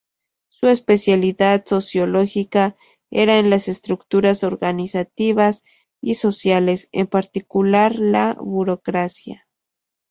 Su especialidad sociológica era en las estructuras organizativas y sociales, en particular la burocracia.